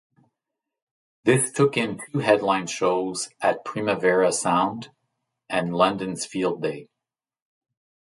This took in two headline shows at Primavera Sound and London's Field Day.